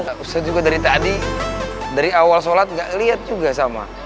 saya juga dari tadi dari awal sholat enggak liat juga sama